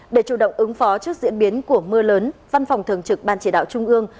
để chủ động ứng phó trước diễn biến của mưa lớn văn phòng thường trực ban chỉ đạo trung ương